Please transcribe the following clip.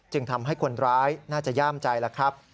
ทำให้คนร้ายน่าจะย่ามใจแล้วครับ